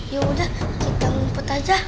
ya udah kita ngumpet aja